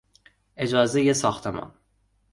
اجازهی ساختمان